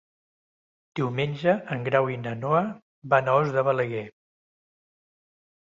Diumenge en Grau i na Noa van a Os de Balaguer.